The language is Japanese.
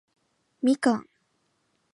蜜柑